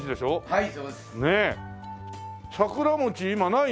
はい。